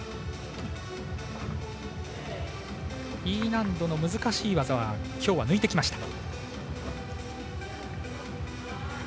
Ｅ難度の難しい技は今日は抜いてきました。